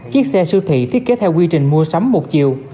chiếc xe siêu thị thiết kế theo quy trình mua sắm một chiều